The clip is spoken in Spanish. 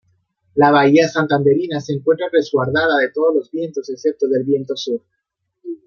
La bahía santanderina se encuentra resguarda de todos los vientos excepto del viento sur.